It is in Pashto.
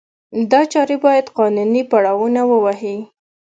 دا چارې باید قانوني پړاونه ووهي.